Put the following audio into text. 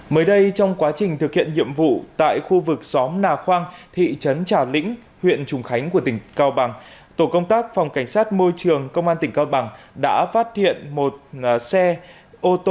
mới đây trong quá trình thực hiện nhiệm vụ tại khu vực xóm nà khoang thị trấn trà lĩnh huyện trùng khánh của tỉnh cao bằng tổ công tác phòng cảnh sát môi trường công an tỉnh cao bằng đã phát hiện một xe ô tô